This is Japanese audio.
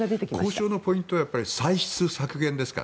交渉のポイントは歳出削減ですか？